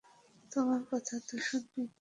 তোমার কথা তো শুনেছি।